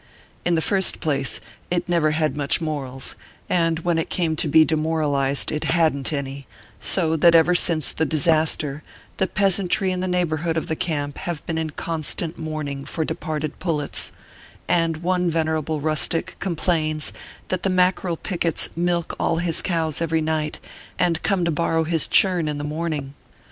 In the first place, it never had much morals, and when it came to be demoralized, it hadn t any ; so that ever since the disaster, the peasantry in the neighbor hood of the camp have been in constant mourning for departed pullets ; and one venerable rustic com plains that the Mackerel pickets milk all his cows every night, and come to borrow his churn in the morning.